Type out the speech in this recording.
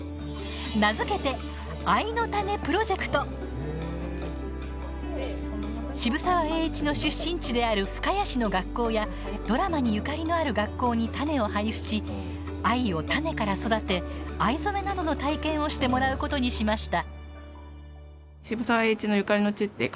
名付けて渋沢栄一の出身地である深谷市の学校やドラマにゆかりのある学校に種を配布し、藍を種から育て藍染めなどの体験をしてもらうことにしました。